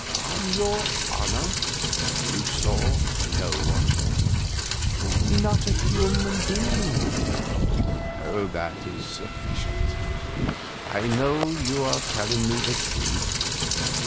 On your honor you saw no one?" "Not a human being." "That is sufficient; I know you are telling me the truth."